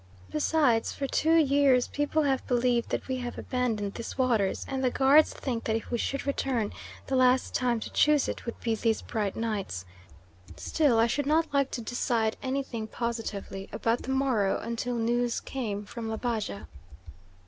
Besides, for two years people have believed that we have abandoned these waters, and the guards think that if we should return, the last time to choose would be these bright nights. Still, I should not like to decide anything positively about the morrow until news came from Labaja."